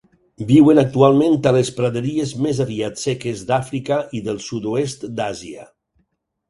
Viuen actualment a les praderies més aviat seques d'Àfrica i del sud-oest d'Àsia.